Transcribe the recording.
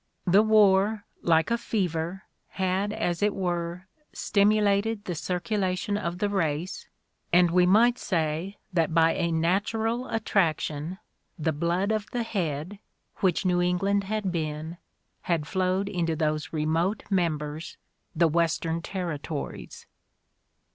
The war, like a fever, had as it were stimulated the circulation of the race, and we might say that by a ' natural attraction the blood of the head, which New England had been, had flowed into those remote mem / bers, the Western territories.